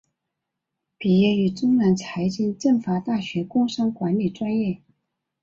毕业于中南财经政法大学工商管理专业。